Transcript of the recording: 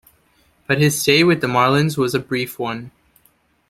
But his stay with the Marlins was a brief one.